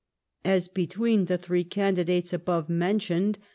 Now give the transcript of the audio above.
... As between the threo candidates above mentioned.